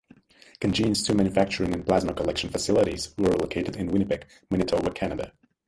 Cangene's two manufacturing and plasma collection facilities were located in Winnipeg, Manitoba, Canada.